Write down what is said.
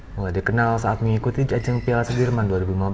mulai dikenal saat mengikuti ajang piala sudirman dua ribu lima belas